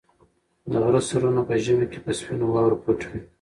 د غره سرونه په ژمي کې په سپینو واورو پټ وي.